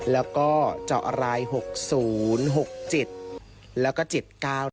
แล้วก็เจาะราย๖๐๖จิตแล้วก็จิต๙